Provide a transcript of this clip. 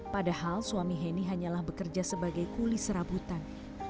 padahal suami heni hanyalah bekerja sebagai kulis rabutan